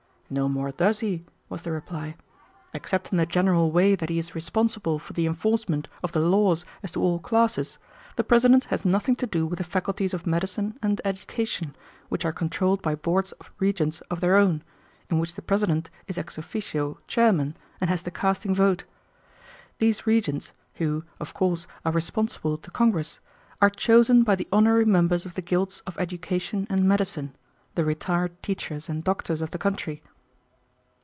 "No more does he," was the reply. "Except in the general way that he is responsible for the enforcement of the laws as to all classes, the President has nothing to do with the faculties of medicine and education, which are controlled by boards of regents of their own, in which the President is ex officio chairman, and has the casting vote. These regents, who, of course, are responsible to Congress, are chosen by the honorary members of the guilds of education and medicine, the retired teachers and doctors of the country."